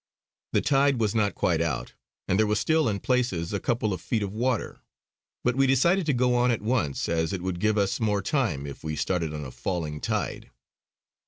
The tide was not quite out, and there was still in places a couple of feet of water; but we decided to go on at once as it would give us more time if we started on a falling tide.